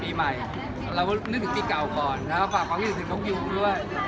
ปีใหม่เรามึงนึกถึงปีเก่าก่อนนะครับฝากความนึกถึงนกยูงด้วย